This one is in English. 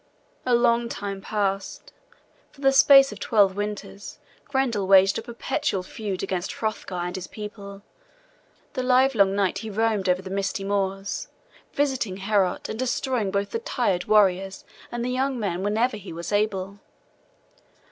A long time passed. For the space of twelve winters Grendel waged a perpetual feud against Hrothgar and his people; the livelong night he roamed over the misty moors, visiting Heorot, and destroying both the tried warriors and the young men whenever he was able.